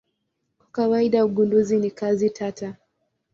Kwa kawaida ugunduzi ni kazi tata.